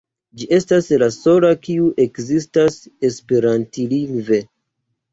Ĝi estas la sola kiu ekzistas esperantlingve.